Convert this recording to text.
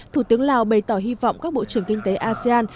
thủ tướng lào bày tỏ hy vọng các bộ trưởng kinh tế asean